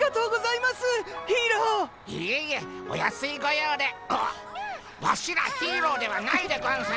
いえいえお安い御用であっワシらヒーローではないでゴンス。